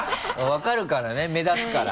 分かるからね目立つから。